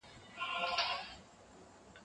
تاسو کولی شئ چې له شپږو بجو وروسته راشئ.